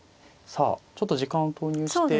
さあちょっと時間を投入して。